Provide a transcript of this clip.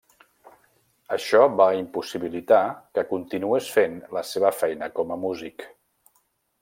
Això va impossibilitar que continués fent la seva feina com a músic.